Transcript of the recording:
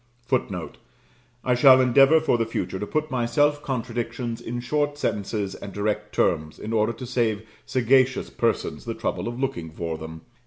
[Footnote: I shall endeavour for the future to put my self contradictions in short sentences and direct terms, in order to save sagacious persons the trouble of looking for them.